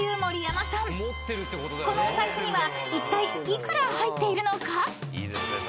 ［このお財布にはいったい幾ら入っているのか？］